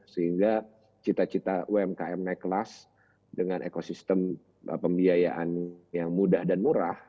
sehingga cita cita umkm naik kelas dengan ekosistem pembiayaan yang mudah dan murah